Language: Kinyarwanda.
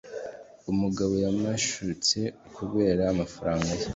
umugabo yamushutse kubera amafaranga ye